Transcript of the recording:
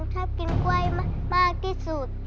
ถ้ากินกล้วยมากที่สุด